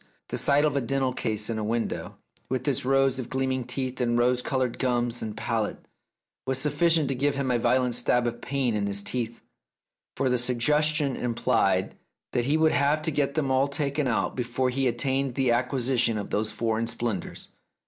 The sight of a "dental case" in a window, with its rows of gleaming teeth and rose coloured gums and palates, was sufficient to give him a violent stab of pain in his teeth, for the suggestion implied that he would have to get them all taken out before he attained to the acquisition of those foreign splendours.